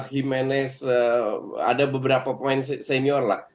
jimenez ada beberapa pemain senior